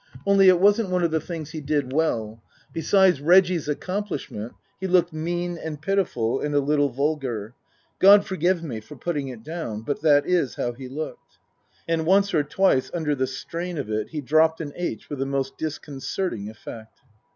Only it wasn't one of the things he did well. Beside Reggie's accomplishment he looked mean and pitiful and a little vulgar. God forgive me for putting it down, but that is how he looked. And once or twice, under the strain of it, he dropped an aitch with the most disconcerting effect.